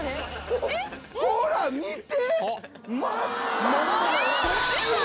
ほら見て！